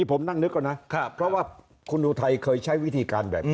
ผมนั่งนึกก่อนนะเพราะว่าคุณอุทัยเคยใช้วิธีการแบบนี้